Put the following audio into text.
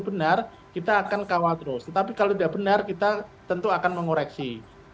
benar kita akan kawal terus tetapi kalau tidak benar kita tentu akan mengoreksi